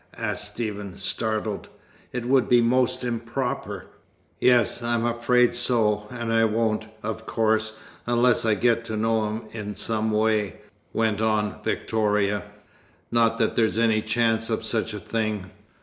asked Stephen, startled. "It would be most improper." "Yes, I'm afraid so, and I won't, of course, unless I get to know him in some way," went on Victoria. "Not that there's any chance of such a thing."